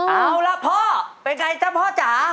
เอาล่ะพ่อเป็นไงจ๊ะพ่อจ๋า